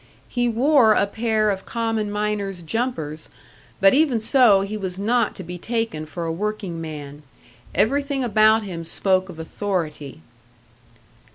He wore a pair of common miner's "jumpers," but even so, he was not to be taken for a workingman. Everything about him spoke of authority.